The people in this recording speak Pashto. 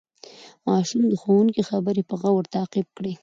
ماشوم د ښوونکي خبرې په غور تعقیب کړې